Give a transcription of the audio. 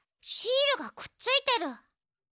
シールがくっついてる。